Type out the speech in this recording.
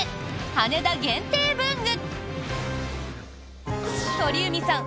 羽田限定文具！